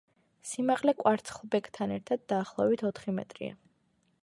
სიმაღლე კვარცხლბეკთან ერთად დაახლოებით ოთხი მეტრია.